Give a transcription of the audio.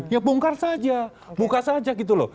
ya bongkar saja buka saja gitu loh